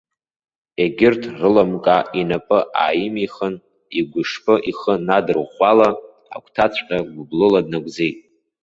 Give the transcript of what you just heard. Егьырҭ рылымкаа, инапы ааимихын, игәышԥы ихы надырӷәӷәала, агәҭаҵәҟьа гәыблыла днагәӡит.